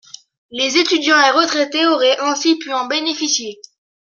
Les étudiants et retraités auraient ainsi pu en bénéficier.